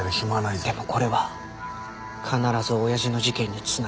でもこれは必ず親父の事件に繋がる。